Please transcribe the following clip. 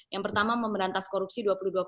yang pertama memerantas korupsi dua puluh dua tiga